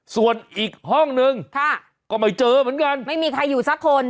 ส่วนอีกห้องนึงก็ไม่เจอเหมือนกันไม่มีใครอยู่สักคน